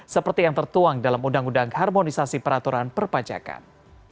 seperti yang tertuang dalam undang undang harmonisasi peraturan perpajakan